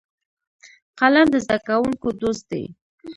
قلم د زده کوونکو دوست دی